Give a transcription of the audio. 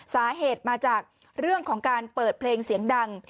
สาเหตุมาจากเรื่องของการเปิดเพลงเสียงดัง